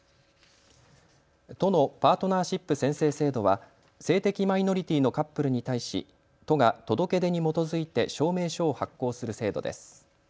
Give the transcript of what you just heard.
都のパートナーシップ宣誓制度は性的マイノリティーのカップルに対し都が届け出に基づいて証明書を発行する制度です。